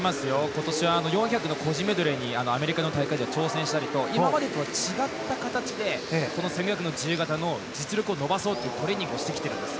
今年は４００ｍの個人メドレーにアメリカの大会で挑戦したりと今までとは違った形で１５００ｍの自由形の実力を伸ばそうというトレーニングをしてきているんです。